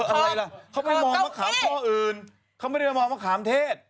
อะไรล่ะเขาไปมองมะขามข้ออื่นเขาไม่ได้มามองมะขามเทศ